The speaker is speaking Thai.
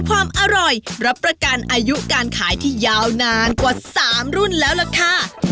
ความอร่อยรับประกันอายุการขายที่ยาวนานกว่า๓รุ่นแล้วล่ะค่ะ